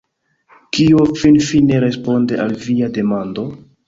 Kio finfine responde al via demando?